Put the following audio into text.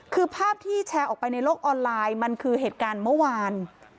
คือภาพที่แชร์ออกไปในโลกออนไลน์มันคือเหตุการณ์เมื่อวาน